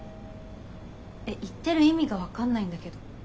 えっ言ってる意味が分かんないんだけど。